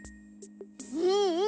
うんうん！